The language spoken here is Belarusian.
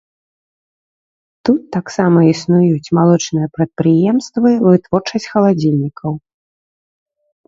Тут таксама існуюць малочныя прадпрыемствы, вытворчасць халадзільнікаў.